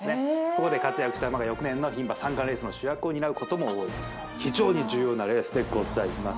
ここで活躍した馬が翌年の牝馬３冠レースの主役を担うことも多い非常に重要なレースでございます